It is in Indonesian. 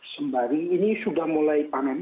sembari ini sudah mulai panen